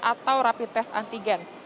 atau rapid tes antigen